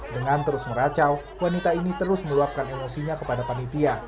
dengan terus meracau wanita ini terus meluapkan emosinya kepada panitia